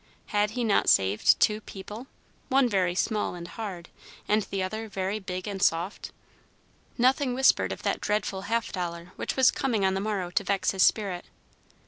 Had he not saved two "people," one very small and hard, and the other very big and soft? Nothing whispered of that dreadful half dollar which was coming on the morrow to vex his spirit.